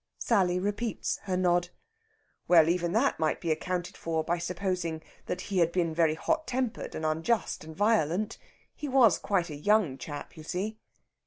Sally repeats her nod. "Well, even that might be accounted for by supposing that he had been very hot tempered and unjust and violent. He was quite a young chap, you see...."